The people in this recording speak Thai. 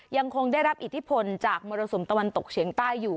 ยังคงได้รับอิทธิพลจากมรสุมตะวันตกเฉียงใต้อยู่